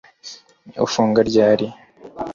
Ufunga ryari